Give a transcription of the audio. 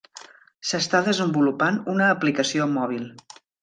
S'està desenvolupant una aplicació mòbil.